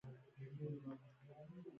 اکا پخپله په کجکي بازار کښې خپل دوکان ته ته.